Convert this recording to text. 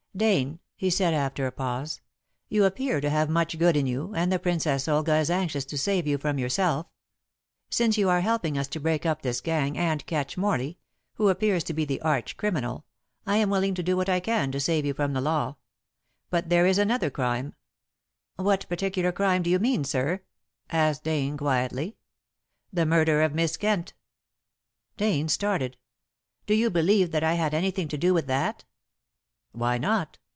"Dane," he said, after a pause, "you appear to have much good in you, and the Princess Olga is anxious to save you from yourself. Since you are helping us to break up this gang and catch Morley, who appears to be the arch criminal, I am willing to do what I can to save you from the law. But there is another crime " "What particular crime do you mean, sir?" asked Dane quietly. "The murder of Miss Kent." Dane started. "Do you believe that I had anything to do with that?" "Why not?